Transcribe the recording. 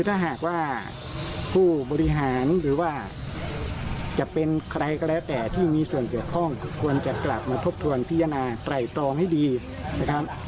ถ้าหากว่าผู้บริหารหรือว่าจะเป็นใครก็แล้วแต่ที่มีส่วนเกี่ยวข้องควรจะกลับมาทบทวนพิจารณาไตรตรองให้ดีนะครับ